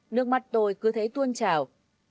nước mắt tôi cứ thấy tuôn trào